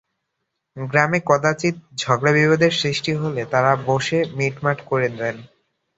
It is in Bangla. গ্রামে কদাচিৎ ঝগড়া বিবাদের সৃষ্টি হলে তাঁরা বসে মিটমাট করে দেন।